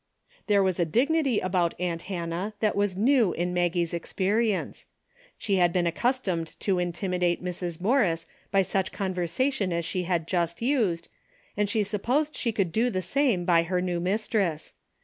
There was a dignity about aunt Hannah that was neAV in Maggie's experience. She had been accustomed to intimidate Mrs. Morris by such conversation as she had just used, and she supposed she could do the same by her new mistress.